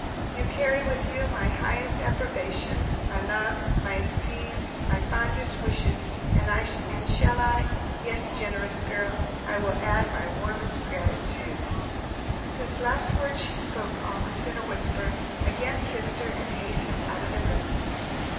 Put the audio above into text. you, carry with you my highest approbation, my love, my esteem, my fondest wishes! and shall I yes, generous girl! I will add my warmest gratitude!" This last word she spoke almost in a whisper, again kissed her, and hastened out of the room.